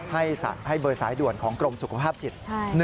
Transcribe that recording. ให้เบอร์สายด่วนของกรมสุขภาพจิต